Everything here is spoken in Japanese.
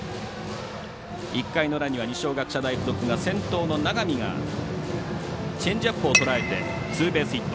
１回の裏、二松学舎大付属が先頭の永見がチェンジアップをとらえてツーベースヒット。